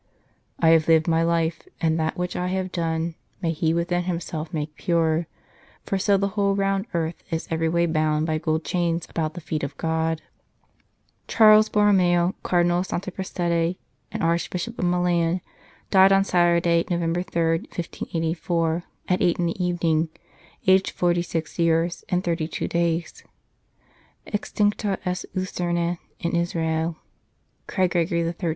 " I have lived my life, and that which I have done May He within Himself make pure ; For so the whole round earth is every way Bound by gold chains about the feet of God." Charles Borromeo, Cardinal of Santa Prassede, and Archbishop of Milan, died on Saturday, November 3, 1584, at eight in the evening, aged forty six years and thirty two days. " Extincta est lucerna in Israel," cried Gregory XIII.